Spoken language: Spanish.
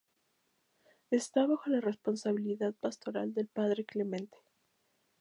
Esta bajo la responsabilidad pastoral del padre Clemente.